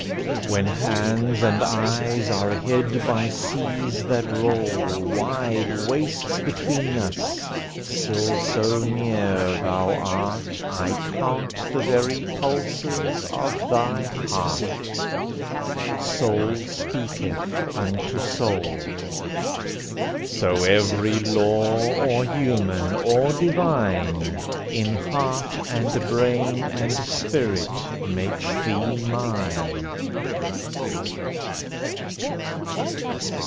When hands and eyes are hid by seas that roll Wide wastes between us, still so near thou art I count the very pulses of thy heart: Soul speaketh unto soul. So every law, or human or divine, In heart and brain and spirit makes thee mine.